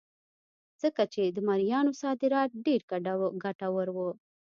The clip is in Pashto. ځکه چې د مریانو صادرات ډېر ګټور وو.